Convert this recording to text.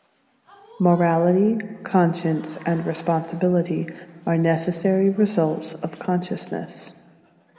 Morality, conscience, and responsibility are necessary results of consciousness.